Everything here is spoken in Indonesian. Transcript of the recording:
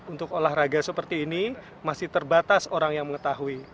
untuk olahraga seperti ini masih terbatas orang yang mengetahui